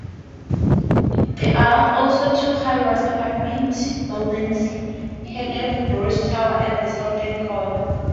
There are also two high-rise apartment buildings, Havenbrook Towers, at the southeast corner.